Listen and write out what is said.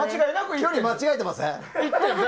距離、間違えてません？